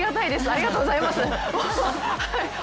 ありがとうございます。